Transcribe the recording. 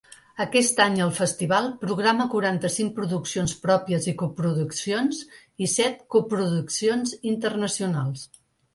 Aquest any el festival programa quaranta-cinc produccions pròpies i coproduccions, i set coproduccions internacionals.